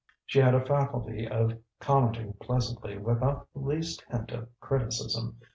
She had a faculty of commenting pleasantly without the least hint of criticism.